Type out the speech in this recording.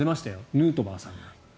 ヌートバーさん、１番。